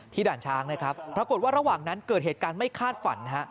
ด่านช้างนะครับปรากฏว่าระหว่างนั้นเกิดเหตุการณ์ไม่คาดฝันฮะ